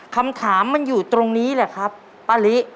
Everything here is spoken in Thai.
คำถามมันอยู่ตรงนี้แหละครับป้าลิ